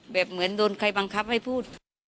เหมือนโดนใครบังคับให้พูด